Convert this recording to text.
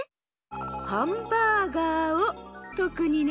ハンバーガーをとくにね。